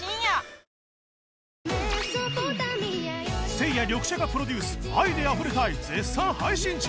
せいやリョクシャカプロデュース『愛で溢れたい』絶賛配信中